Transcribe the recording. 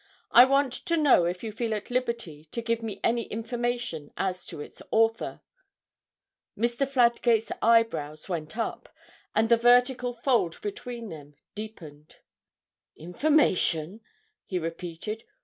'I want to know if you feel at liberty to give me any information as to its author?' Mr. Fladgate's eyebrows went up, and the vertical fold between them deepened. 'Information,' he repeated.